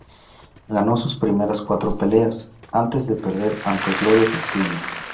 Ganó sus primeras cuatro peleas, antes de perder ante Gloria Castillo.